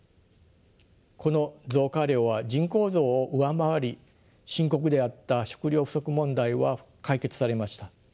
この増加量は人口増を上回り深刻であった食糧不足問題は解決されました。